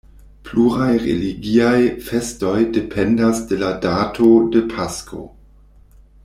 Pluraj religiaj festoj dependas de la dato de Pasko.